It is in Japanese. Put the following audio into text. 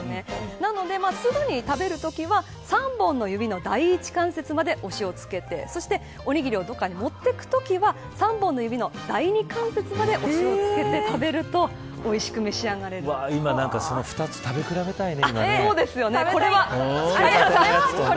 なので、すぐに食べるときは３本の指の第一関節まで、お塩を付けておにぎりをどこかに持って行くときは３本の指の第二関節までお塩をつけて食べると今その２つ食べ比べたいね。